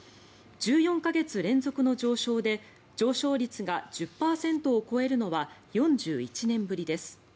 １４か月連続の上昇で上昇率が１０％を超えるのは４１年ぶりです。